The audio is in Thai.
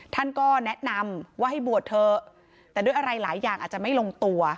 ท่านก็แนะนำว่าให้บวชเถอะแต่ด้วยอะไรหลายอย่างอาจจะไม่ลงตัว